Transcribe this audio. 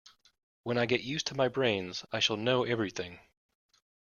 When I get used to my brains I shall know everything.